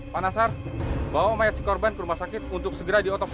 pak nasar bawa mayat si korban ke rumah sakit untuk segera diotopsi